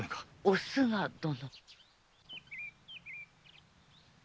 おすが殿。